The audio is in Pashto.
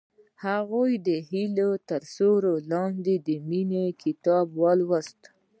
هغې د هیلې تر سیوري لاندې د مینې کتاب ولوست.